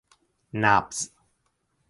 نبض